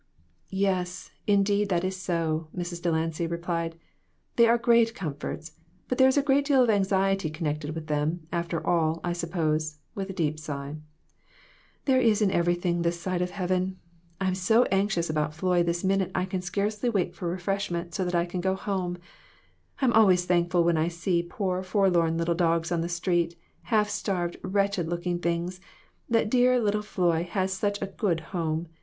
"Yes, indeed, that is so," Mrs. Delancy replied; "they are great comforts, but there is a good deal of anxiety connected with them, after all, I sup pose," with a deep sigh; "there is in everything this side of heaven. I am so anxious about Floy this minute I can scarcely wait for refreshment, so that I can go home. I am always thankful when I see poor, forlorn little dogs on the street, half starved and wretched looking, that dear little Floy has such a good home.